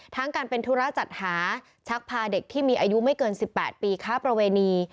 ทั้งการเป็นธุระจัดหาชักพาเด็กที่มีอายุไม่เกิน๑๘ปีค้าประเวณี